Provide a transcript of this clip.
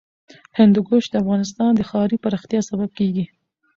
هندوکش د افغانستان د ښاري پراختیا سبب کېږي.